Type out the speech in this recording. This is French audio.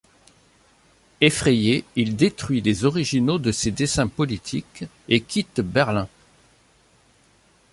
Effrayé, il détruit les originaux de ses dessins politiques, et quitte Berlin.